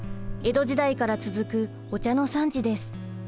江戸時代から続くお茶の産地です。